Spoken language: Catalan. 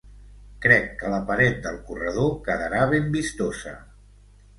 Crec que la paret del corredor quedarà ben vistosa.